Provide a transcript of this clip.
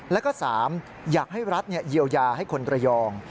แล้วก็๓อยากให้รัฐเยียวยาให้คนระยอง